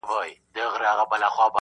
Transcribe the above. د کلي ژوند ظاهراً روان وي خو دننه مات,